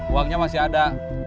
uangnya masih ada